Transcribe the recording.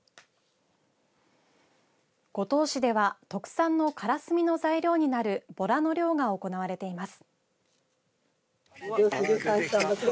五島市では特産のからすみの材料になるぼらの漁が行われています。